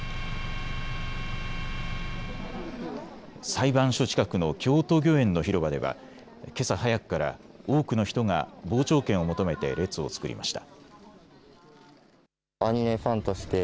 裁判所近くの京都御苑の広場ではけさ早くから多くの人が傍聴券を求めて列を作りました。